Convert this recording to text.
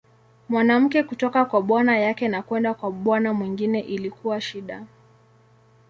Mwanamke kutoka kwa bwana yake na kwenda kwa bwana mwingine ilikuwa shida.